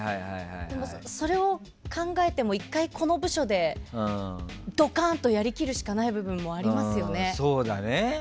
でもそれを考えても１回この部署でどかんとやりきるしかない部分もありますよね。